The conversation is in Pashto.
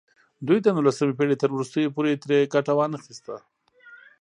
دوی د نولسمې پېړۍ تر وروستیو پورې ترې ګټه وانخیسته.